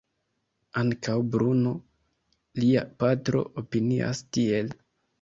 Ankaŭ Bruno, lia patro, opinias tiel.